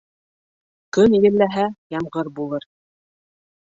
Көн елләһә, ямғыр булыр.